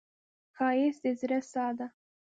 ښایست د زړه ساه ده